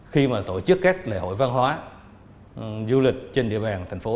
khi mà tổ chức các lễ hội văn hóa du lịch trên địa bàn thành phố